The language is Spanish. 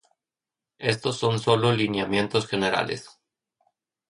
Estos son sólo lineamientos generales.